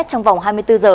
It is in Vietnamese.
trong vòng hai mươi bốn h